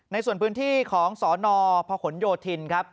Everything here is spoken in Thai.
ในส่วนพื้นที่ของสนพหนโยธินครับ